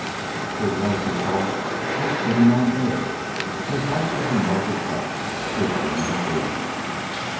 It was, he thought, like sitting on air, as light as a mote of dust drifting in a breeze.